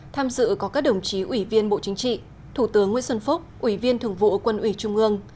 tham dự có các đồng chí ủy viên bộ chính trị thủ tướng nguyễn xuân phúc ủy viên thường vụ quân ủy trung ương